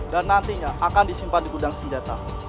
dan nantinya akan disimpan di gudang senjata